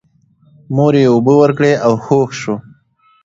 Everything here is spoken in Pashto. مور یې اوبه ورکړې او هوښ شو.